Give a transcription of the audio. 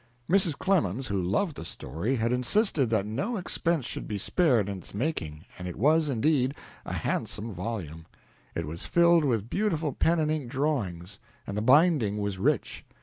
Mrs. Clemens, who loved the story, had insisted that no expense should be spared in its making, and it was, indeed, a handsome volume. It was filled with beautiful pen and ink drawings, and the binding was rich.